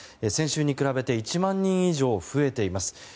先週に比べて１万人以上増えています。